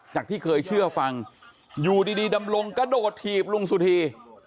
จากที่เคยเชื่อฟังอยู่ดีดำรงกระโดดถีบลุงสุธี